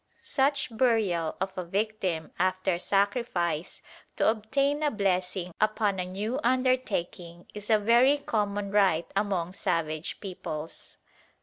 Such burial of a victim after sacrifice to obtain a blessing upon a new undertaking is a very common rite among savage peoples.